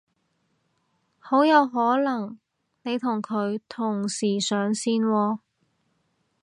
好有可能你同佢同時上線喎